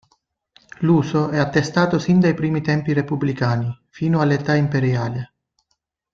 L'uso è attestato sin dai primi tempi repubblicani fino all'età imperiale.